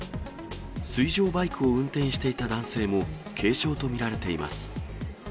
水上バイクを運転していた男性も軽傷と見られています。